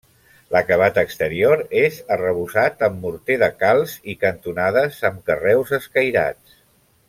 L'acabat exterior és arrebossat amb morter de calç i cantonades amb carreus escairats.